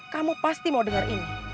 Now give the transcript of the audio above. kamu pasti mau dengerin